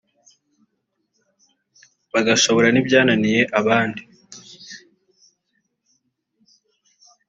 bagashobora n’ibyananiye abandi